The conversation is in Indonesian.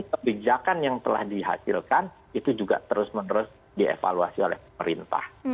kebijakan yang telah dihasilkan itu juga terus menerus dievaluasi oleh pemerintah